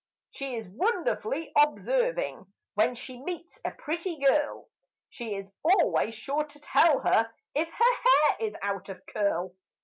She is wonderfully observing when she meets a pretty girl She is always sure to tell her if her "bang" is out of curl.